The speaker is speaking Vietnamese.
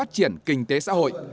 diễn kinh tế xã hội